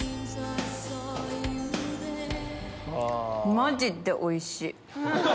マジでおいしい！